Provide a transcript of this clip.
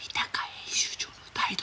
編集長の態度。